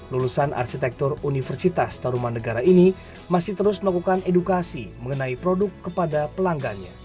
lulusan arsitektur universitas taruman negara ini masih terus melakukan edukasi mengenai produk kepada pelanggannya